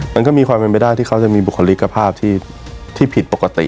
มันก็มีความเป็นไปได้ที่เขาจะมีบุคลิกภาพที่ผิดปกติ